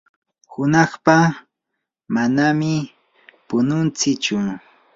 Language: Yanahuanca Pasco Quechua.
hunaqpa manami pununtsichu.